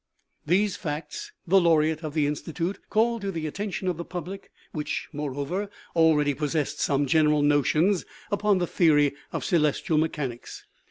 These facts the laureate of the Institute called to the attention of the public which, moreover, already pos sessed some general notions upon the theory of celes tial mechanics.